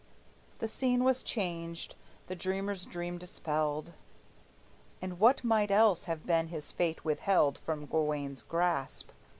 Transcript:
The scene was changed, the dreamer's dream dispelled, And what might else have been his fate withheld From Gawayne's grasp.